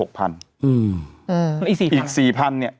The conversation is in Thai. คือ